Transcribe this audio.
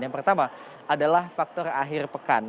yang pertama adalah faktor akhir pekan